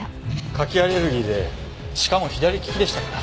牡蠣アレルギーでしかも左利きでしたから。